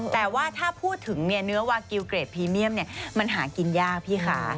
แต่ว่าถ้าพูดถึงเนื้อวากิลเกรดพรีเมียมมันหากินยากพี่ค่ะ